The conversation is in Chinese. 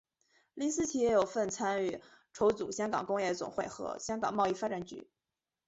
林思齐也有份参与筹组香港工业总会和香港贸易发展局。